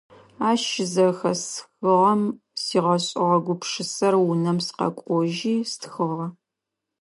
Ащ щызэхэсхыгъэм сигъэшӀыгъэ гупшысэр унэм сыкъэкӀожьи стхыгъэ.